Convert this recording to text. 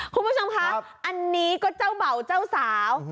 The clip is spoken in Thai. คุณผู้ชมคะอันนี้ก็เจ้าเบ่าเจ้าสาว